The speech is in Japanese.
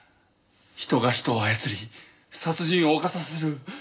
人が人を操り殺人を犯させる。